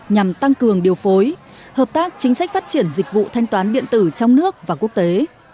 nhằm tăng cường điều phối hợp tác chính sách phát triển dịch vụ thanh toán điện tử trong nước và quốc tế